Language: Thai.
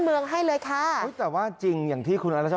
เป็นลุคใหม่ที่หลายคนไม่คุ้นเคย